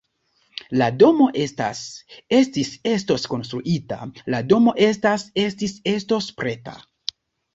La domo estas, estis, estos konstruita: la domo estas, estis, estos preta.